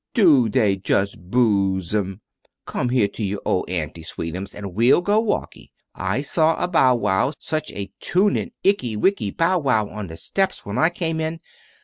"Do they just 'buse 'em? Come here to your old auntie, sweetems, and we'll go walkee. I saw a bow wow such a tunnin' ickey wickey bow wow on the steps when I came in.